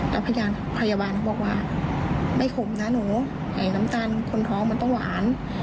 แล้วพยาบาลเขาบอกว่าไม่ขมนะหนูไอ้น้ำตาลคนท้องมันต้องหวาน